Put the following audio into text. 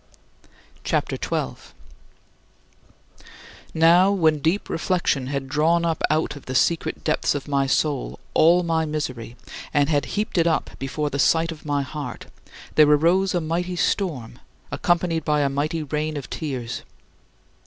CHAPTER XII 28. Now when deep reflection had drawn up out of the secret depths of my soul all my misery and had heaped it up before the sight of my heart, there arose a mighty storm, accompanied by a mighty rain of tears.